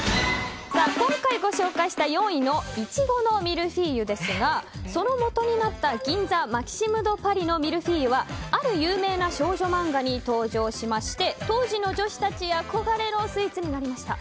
今回ご紹介した４位の苺のミルフィーユですがそのもとになった銀座マキシム・ド・パリのミルフィーユはある有名な少女漫画に登場しまして当時の女子たち憧れのスイーツになりました。